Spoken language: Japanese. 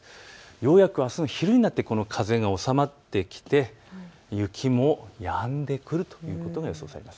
ようやく、あすの昼になってこの風が収まってきて雪もやんでくるということが予想されます。